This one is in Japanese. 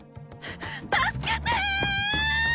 助けてー！